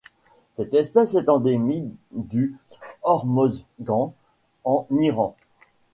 Cette espèce est endémique du Hormozgan en Iran.